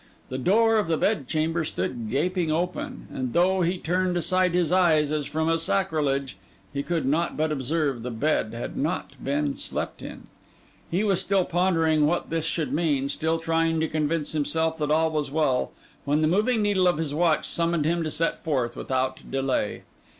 The door of the bed chamber stood gaping open; and though he turned aside his eyes as from a sacrilege, he could not but observe the bed had not been slept in. He was still pondering what this should mean, still trying to convince himself that all was well, when the moving needle of his watch summoned him to set forth without delay.